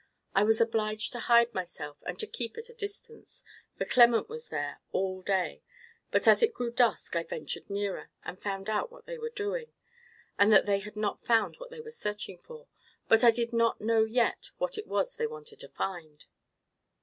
I was obliged to hide myself—and to keep at a distance, for Clement was there all day; but as it grew dusk I ventured nearer, and found out what they were doing, and that they had not found what they were searching for; but I did not know yet what it was they wanted to find."